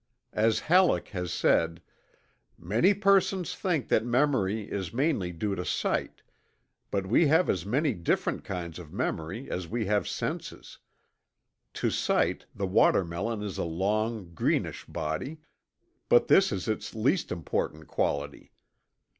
As Halleck has said: "Many persons think that memory is mainly due to sight; but we have as many different kinds of memory as we have senses. To sight, the watermelon is a long greenish body, but this is its least important quality.